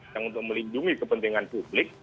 yang untuk melindungi kepentingan publik